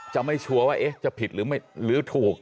จะไม่ชัวร์ว่าจะผิดหรือถูก